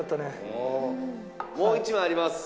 もう１枚あります。